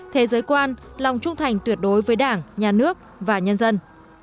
thế giới quan lòng trung thành tuyệt đối với đảng nhà nước và nhân dân